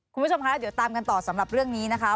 คุณผู้ชมคะเดี๋ยวตามกันต่อสำหรับเรื่องนี้นะคะ